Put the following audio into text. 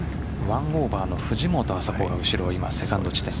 １オーバーの藤本麻子が後ろにいます。